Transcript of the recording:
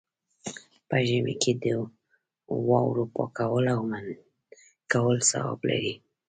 په ژمي کې د واورو پاکول او منډ کول ثواب لري.